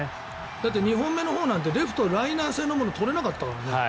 だって２本目のほうだってレフト、ライナー性のはとれなかったからね。